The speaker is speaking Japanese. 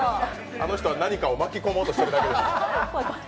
あの人は何かを巻き込もうとしているだけですから。